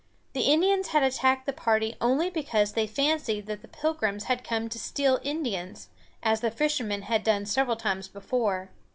The Indians had attacked the party only because they fancied that the Pilgrims had come to steal Indians, as the fishermen had done several times before.